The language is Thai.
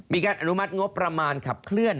อนุมัติงบประมาณขับเคลื่อน